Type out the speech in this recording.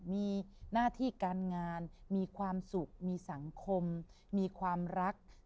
มีหน้าที่การงานมีความสุขมีสังคมมีความรัก